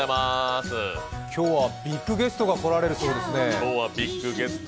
今日はビッグゲストが来られるそうですね。